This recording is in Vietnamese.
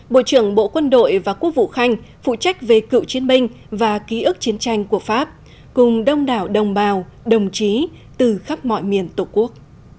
bộ trưởng bộ quân đội và quốc vụ khanh phụ trách về cựu chiến binh và ký ức chiến tranh của pháp cùng đông đảo đồng bào đồng chí từ khắp mọi miền tổ quốc